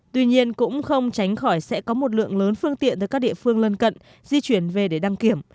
tuy nhiên cũng không tránh khỏi sẽ có một lượng lớn phương tiện từ các địa phương lân cận di chuyển về để đăng kiểm